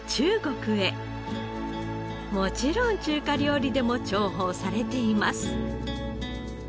もちろん中華料理でも重宝されています。